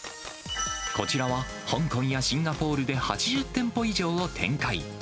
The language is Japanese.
こちらは香港やシンガポールで８０店舗以上を展開。